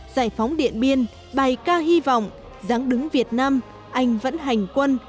giải phóng điện biên bài ca hy vọng giáng đứng việt nam anh vẫn hành quân